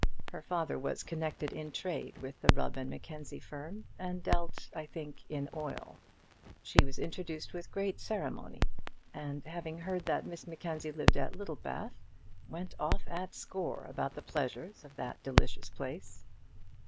Her father was connected in trade with the Rubb and Mackenzie firm, and dealt, I think, in oil. She was introduced with great ceremony, and having heard that Miss Mackenzie lived at Littlebath, went off at score about the pleasures of that delicious place.